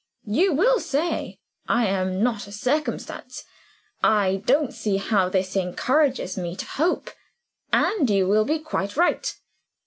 You will say, 'I am not a circumstance; I don't see how this encourages me to hope' and you will be quite right.